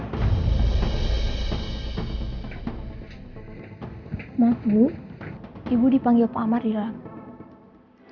maaf bu ibu dipanggil pak amar di dalam